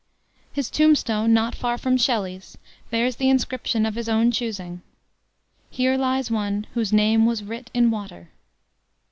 His tombstone, not far from Shelley's, bears the inscription of his own choosing: "Here lies one whose name was writ in water."